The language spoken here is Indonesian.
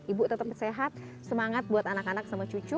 ibu tetap sehat semangat buat anak anak sama cucu